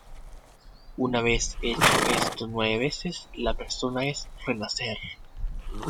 Una vez hecho esto nueve veces, la persona es "renacer".